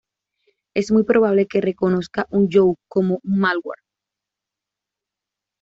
Es muy probable que reconozca un joke como un malware.